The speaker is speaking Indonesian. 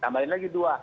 tambahin lagi dua